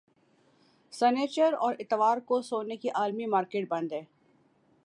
سنیچر اور اتوار کو سونے کی عالمی مارکیٹ بند ہے